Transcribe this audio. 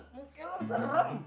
mungkin lo serem